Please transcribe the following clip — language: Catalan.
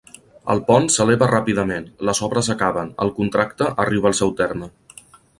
El pont s'eleva ràpidament, les obres acaben, el contracte arriba al seu terme.